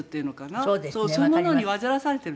そういうものに煩わされてるんですよね。